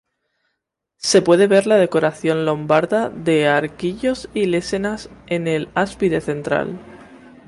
Se puede ver la decoración lombarda de arquillos y lesenas en el ábside central.